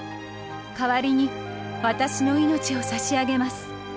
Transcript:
代わりに私の命を差し上げます」。